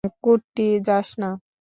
কুট্টি, যাস না!